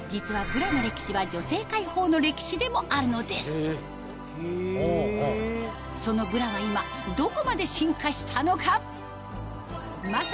実はでもあるのですそのブラは今どこまで進化したのか？